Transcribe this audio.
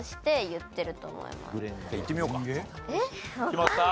決まった？